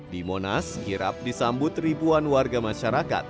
di monas kirap disambut ribuan warga masyarakat